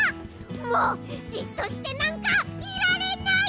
もうじっとしてなんかいられない！